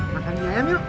makan ayam yuk